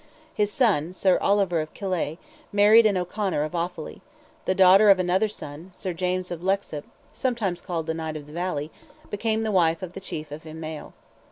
His son, Sir Oliver of Killeigh, married an O'Conor of Offally; the daughter of another son, Sir James of Leixlip, (sometimes called the Knight of the Valley) became the wife of the chief of Imayle.